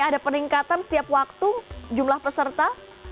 ada peningkatan setiap waktu jumlah peserta